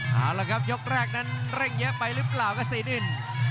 เอาละครับยกแรกนั้นเร่งแยะไปหรือเปล่าครับศรีดิน